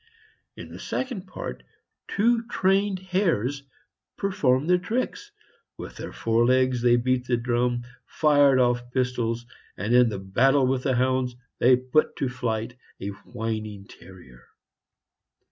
In the second part two trained hares performed their tricks. With their forelegs they beat the drum, fired off pistols, and in the "Battle with the Hounds" they put to flight a whining terrier.